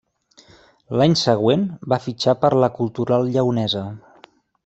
L'any següent va fitxar per la Cultural Lleonesa.